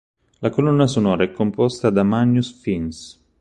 La colonna sonora è composta da Magnus Fiennes.